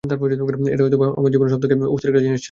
এটা হয়তোবা আমার জীবনের সব থেকে অস্থির একটা জিনিস ছিল।